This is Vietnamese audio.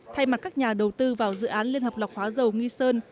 thay mặt các nhà đầu tư vào dự án liên hợp lọc hóa dầu nghi sơn